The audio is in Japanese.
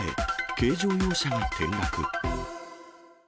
軽乗用車が転落。